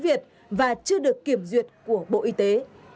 và chưa được kiểm duyệt của bộ y tế